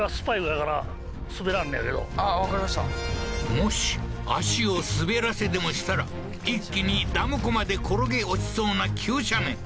もし足を滑らせでもしたら一気にダム湖まで転げ落ちそうな急斜面